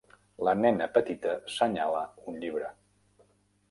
La nena petita senyala un llibre.